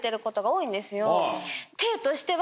体としては。